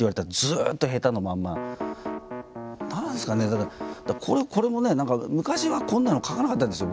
何ですかねだからこれもね何か昔はこんなの書かなかったんですよ